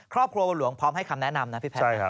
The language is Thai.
ครอบครัวบัวหลวงพร้อมให้คำแนะนำนะพี่แพทย์